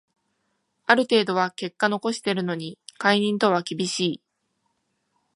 ある程度は結果残してるのに解任とは厳しい